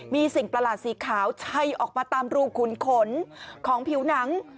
มีสิ่งประหลาดสีขาวชัยออกมาตามรูขุนขนของผิวหนัง